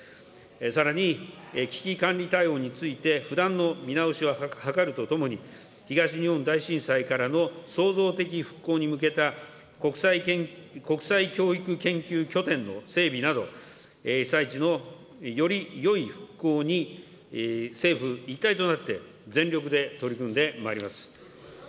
さらに、危機管理対応について不断の見直しを図るとともに、東日本大震災からの創造的復興に向けた、国際教育研究拠点の整備など、被災地のよりよい復興に政府一体となって全力で取り組んでまいります。